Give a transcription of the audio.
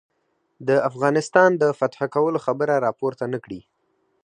د افغانستان د فتح کولو خبره را پورته نه کړي.